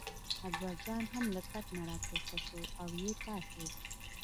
اکبرجان هم له کټ نه راپورته شو او یې پاڅېد.